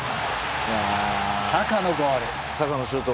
サカのゴール。